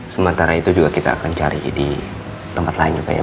sementara itu juga kita akan cari di tempat lain juga ya bu